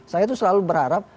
saya itu selalu berharap